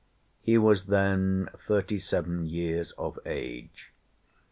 He was then thirty seven years of age.